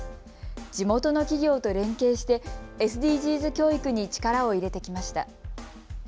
地元の企業と連携してＳＤＧｓ教育に力を入れてきました。